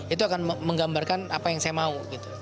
itu akan menggambarkan apa yang saya mau